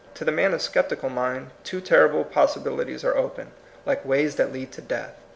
To the man of sceptical mind two ter rible possibilities are open, like ways that lead to death.